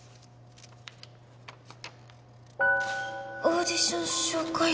「オーディション紹介料」？